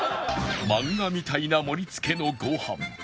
マンガみたいな盛り付けのご飯